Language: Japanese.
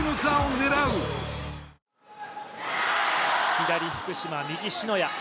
左、福島、右、篠谷。